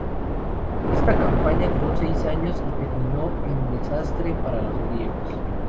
Esta campaña duró seis años y terminó en desastre para los griegos.